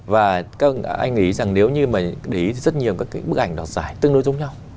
và anh nghĩ rằng nếu như mà để ý rất nhiều các bức ảnh đọt giải tương đối giống nhau